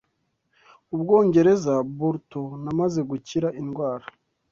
Ubwongereza. Burto namaze gukira indwara